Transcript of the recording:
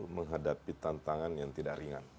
menghadapi tantangan yang tidak ringan